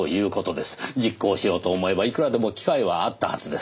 実行しようと思えばいくらでも機会はあったはずです。